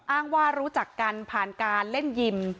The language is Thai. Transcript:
อ้างว่ารู้จักกันผ่านการเล่นยิม